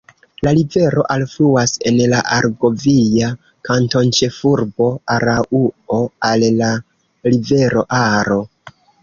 La rivero alfluas en la argovia kantonĉefurbo Araŭo al la rivero Aro.